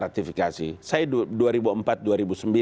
kami pernah melakukan ratifikasi